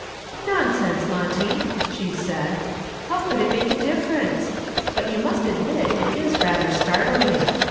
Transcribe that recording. "Nonsense, Monty," she said. "How could it make a difference? But you must admit it is rather startling.